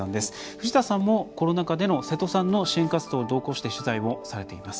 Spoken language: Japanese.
藤田さんも、コロナ禍での瀬戸さんの支援活動を同行して取材もされています。